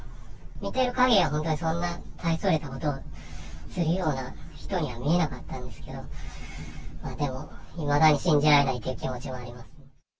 見てるかぎりは本当にそんな大それたことをするような人には見えなかったんですけど、でも、いまだに信じられないという気持ちはあります。